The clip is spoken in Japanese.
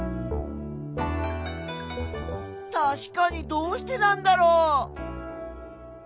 たしかにどうしてなんだろう？